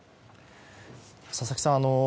佐々木さん